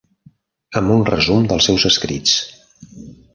Amb un resum dels seus escrits.